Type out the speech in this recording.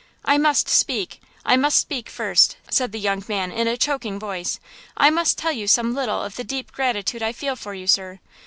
"I must speak! I must speak first!" said the young man, in a choking voice. "I must tell you some little of the deep gratitude I feel for you, sir.